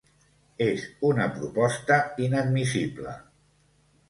És una proposta inadmissible!